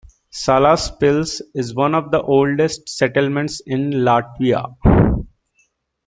Salaspils is one of the oldest settlements in Latvia.